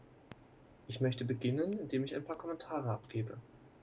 Ich möchte beginnen, indem ich ein paar Kommentare abgebe.